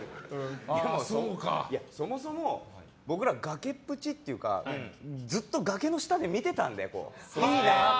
そもそも僕ら崖っぷちというかずっと崖の下で見ていたんで。